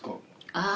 ああ。